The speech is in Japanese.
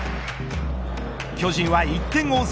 巨人は、１点を追う